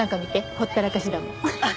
ほったらかしだもん。